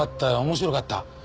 面白かった。